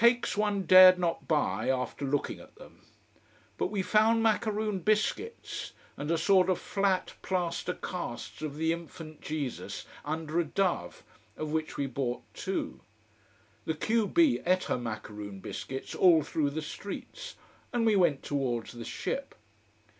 Cakes one dared not buy, after looking at them. But we found macaroon biscuits, and a sort of flat plaster casts of the Infant Jesus under a dove, of which we bought two. The q b ate her macaroon biscuits all through the streets, and we went towards the ship.